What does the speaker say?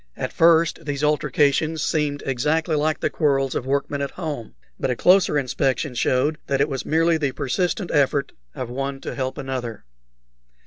At first these altercations seemed exactly like the quarrels of workmen at home, but a closer inspection showed that it was merely the persistent effort of one to help another.